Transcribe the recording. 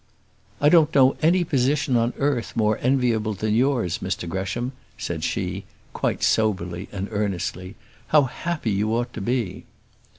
"I don't know any position on earth more enviable than yours, Mr Gresham," said she, quite soberly and earnestly; "how happy you ought to be."